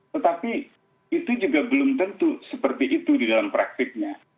tetapi itu juga belum tentu seperti itu di dalam praktiknya